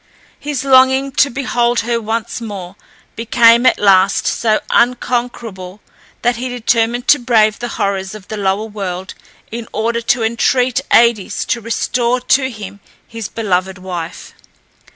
His longing to behold her once more became at last so unconquerable, that he determined to brave the horrors of the lower world, in order to entreat Aïdes to restore to him his beloved wife.